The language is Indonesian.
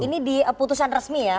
ini di putusan resmi ya